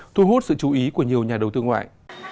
thu hút sự chú ý của nhiều nhà đầu tư ngoại